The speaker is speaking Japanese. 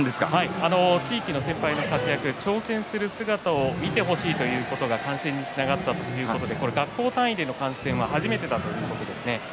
地域の先輩の活躍、挑戦する姿を見てほしいということが観戦につながったということで学校単位での観戦は初めてだということです。